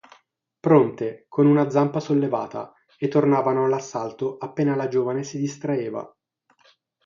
Pronte, con una zampa sollevata, e tornavano all'assalto appena la giovane si distraeva.